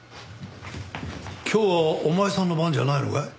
今日はお前さんの番じゃないのかい？